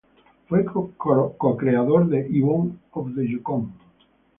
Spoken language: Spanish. Fue co-creador de Yvon of the Yukon.